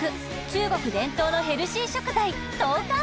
中国伝統のヘルシー食材豆干絲